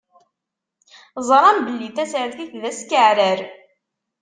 Ẓṛan belli tasertit d askeɛrer.